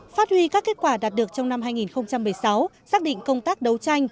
phát huy các kết quả đạt được trong năm hai nghìn một mươi sáu xác định công tác đấu tranh